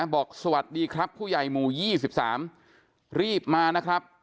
บอกสวัสดีครับผู้ใหญ่หมู่๒๓รีบมานะครับ